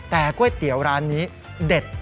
แต่ก๋วยเตี๋ยวร้านนี้เด็ด